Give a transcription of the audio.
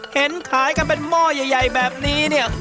เห็นขายกันเป็นหม้อใหญ่แบบนี้เนี่ย